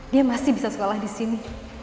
dia masih bisa sekolah disini